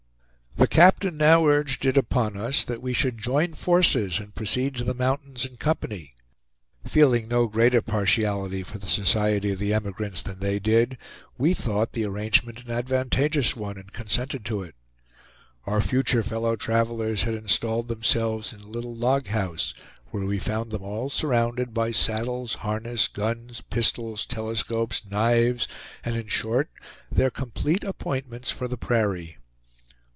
The captain now urged it upon us, that we should join forces and proceed to the mountains in company. Feeling no greater partiality for the society of the emigrants than they did, we thought the arrangement an advantageous one, and consented to it. Our future fellow travelers had installed themselves in a little log house, where we found them all surrounded by saddles, harness, guns, pistols, telescopes, knives, and in short their complete appointments for the prairie.